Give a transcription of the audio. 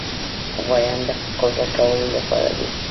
غوایان د قلبه کولو لپاره دي.